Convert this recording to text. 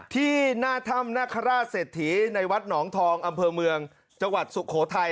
ที่หน้าธรรมนคราชเศรษฐีในวัดหนองทองอเมืองจสุโขทัย